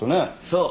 そう。